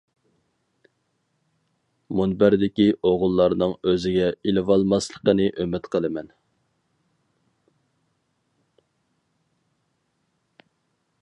مۇنبەردىكى ئوغۇللارنىڭ ئۆزىگە ئېلىۋالماسلىقىنى ئۈمىد قىلىمەن.